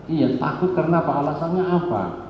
iya takut karena apa alasannya apa